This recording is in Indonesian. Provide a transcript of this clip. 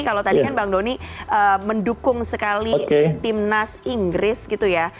kalau tadi kan bang doni mendukung sekali timnas inggris gitu ya